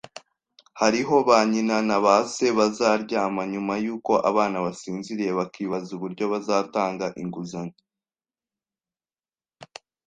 Hariho ba nyina na ba se bazaryama nyuma yuko abana basinziriye bakibaza uburyo bazatanga inguzanyo,